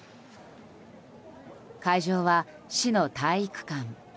会場は、市の体育館。